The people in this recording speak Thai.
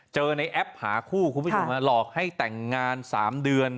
เจอในแอปหาคู่คุณผู้ชมหลอกให้แต่งงาน๓เดือน